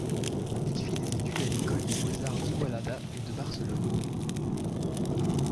Il fit des études à l'école des beaux arts d'Igualada et de Barcelone.